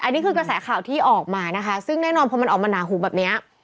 อันนี้คือกระแสข่าวที่ออกมานะคะซึ่งแน่นอนพอมันออกมาหนาหูแบบเนี้ย